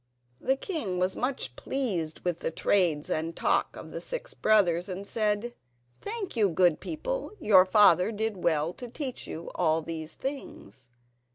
The king was much pleased with the trades and talk of the six brothers, and said: "Thank you, good people; your father did well to teach you all these things.